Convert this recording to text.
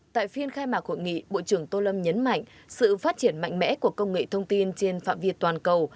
tại phiên khai mạc hội nghị bộ trưởng tô lâm nhấn mạnh sự phát triển mạnh mẽ của công nghệ thông tin trên phạm việt toàn cầu